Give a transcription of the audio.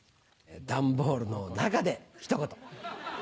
段ボールの中でひと言。